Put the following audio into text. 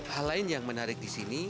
hal lain yang menarik di sini